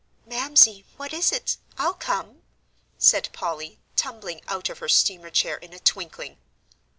"Mamsie, what is it? I'll come," said Polly, tumbling out of her steamer chair in a twinkling.